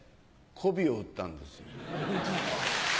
媚びを売ったんです。